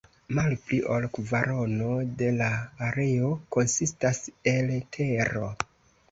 Malpli ol kvarono de la areo konsistas el tero.